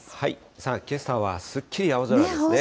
さあ、けさはすっきり青空ですね。